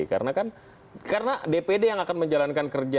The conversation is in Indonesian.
karena kan karena dpd yang akan menjalankan kerja